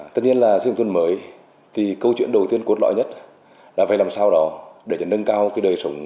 tất nhiên là xây dựng nông thôn mới thì câu chuyện đầu tiên cốt lõi nhất là phải làm sao đó để nâng cao cái đời sống